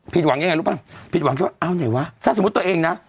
หวังยังไงรู้ป่ะผิดหวังแค่ว่าเอาไหนวะถ้าสมมุติตัวเองนะ